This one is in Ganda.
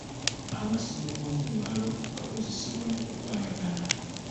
Amasimu g'omu ngalo gakozesebwa mu kukwatagana.